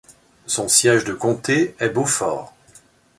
Son siège de comté est Beaufort.